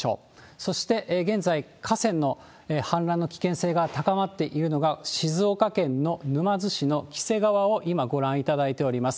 そして現在、河川の氾濫の危険性が高まっているのが、静岡県の沼津市の黄瀬川を今、ご覧いただいております。